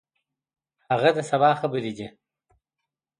هغه د سبا خبرې دي.